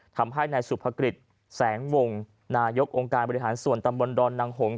ทำให้นายสุภกฤษแสงวงนายกองค์การบริหารส่วนตำบลดอนนางหง